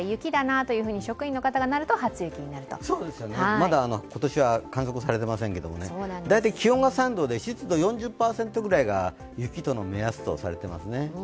まだ今年は観測されてませんけど大体気温が３度で湿度４０％ぐらいが雪との目安とされていますね。